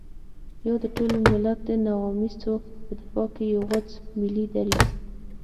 يا د ټول ملت د نواميسو په دفاع کې يو غوڅ ملي دريځ.